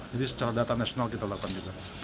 jadi secara data nasional kita lakukan